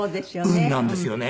運なんですよね。